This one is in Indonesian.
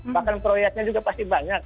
bahkan proyeknya juga pasti banyak